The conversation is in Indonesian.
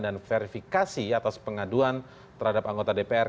dan verifikasi atas pengaduan terhadap anggota dpr